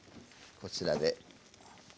こちらで。